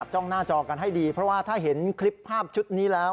จ้องหน้าจอกันให้ดีเพราะว่าถ้าเห็นคลิปภาพชุดนี้แล้ว